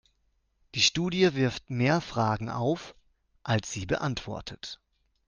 Die Studie wirft mehr Fragen auf, als sie beantwortet.